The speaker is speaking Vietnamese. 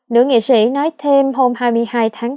nữ nghị sĩ nói thêm hôm hai mươi hai tháng bốn